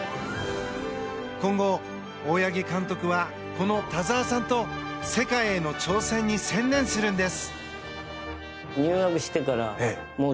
今後、大八木監督はこの田澤さんと世界への挑戦に専念するんです。